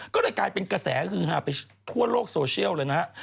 ก็เลยเป็นกระแสไปทั่วโลกโซเชียลเลยนะครับ